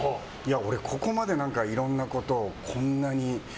俺、ここまでいろんなことをこんなに。